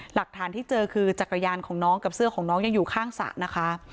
หลักฐานที่เจอคือจักรยานของน้องกับเสื้อของน้องยังอยู่ข้างสระนะคะ